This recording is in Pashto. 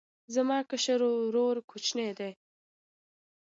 زما کشر ورور کوچنی دی